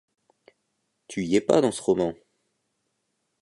Tu y es pas dans ce roman ???